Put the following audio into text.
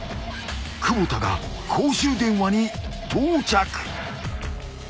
［久保田が公衆電話に到着］